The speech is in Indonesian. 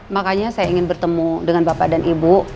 makanya saya ingin bertemu dengan bapak dan ibu